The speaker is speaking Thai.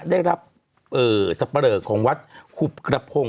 ได้รับเอ่อสับประโลกของวัดขุบกระพง